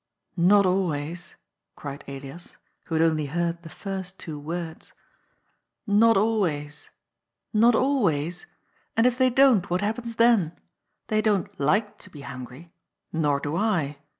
" Not always 1 " cried Elias, who had only heard the first two words. "Not always! Not always! And if they don't, what happens then ? They don't like to be hungry. Nor do I.